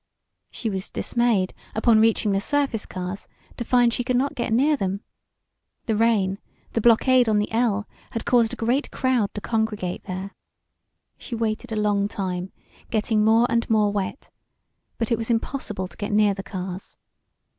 She was dismayed, upon reaching the surface cars, to find she could not get near them; the rain, the blockade on the "L" had caused a great crowd to congregate there. She waited a long time, getting more and more wet, but it was impossible to get near the cars.